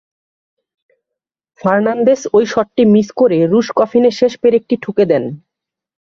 Fernandes ওই শটটি miss করে রুশ কফিনে শেষ পেরেকটি ঠুকে দেন।